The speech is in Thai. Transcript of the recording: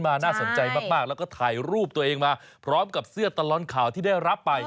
น่าสนใจมากแล้วก็ถ่ายรูปตัวเองมาพร้อมกับเสื้อตลอดข่าวที่ได้รับไป